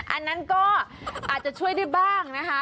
อันนั้นก็อาจจะช่วยได้บ้างนะคะ